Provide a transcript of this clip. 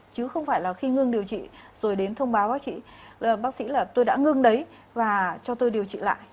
chứ không phải là khi ngưng điều trị rồi đến thông báo bác sĩ bác sĩ là tôi đã ngưng đấy và cho tôi điều trị lại